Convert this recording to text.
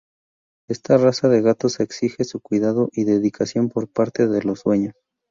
Esta raza de gatos exige su cuidado y dedicación por parte de los dueños.